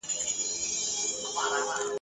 چي د كوم يوه دښمن د چا پر خوا سي !.